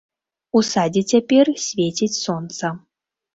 У садзе цяпер свеціць сонца.